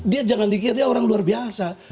dia jangan dikiri orang luar biasa